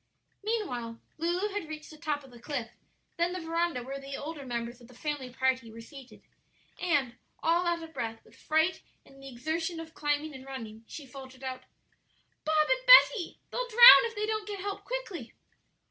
Mean while Lulu had reached the top of the cliff, then the veranda where the older members of the family party were seated, and, all out of breath with fright and the exertion of climbing and running, she faltered out, "Bob and Betty; they'll drown if they don't get help quickly."